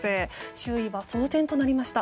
周囲は騒然となりました。